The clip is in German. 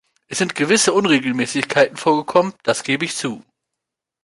Es sind gewisse Unregelmäßigkeiten vorgekommen, das gebe ich zu.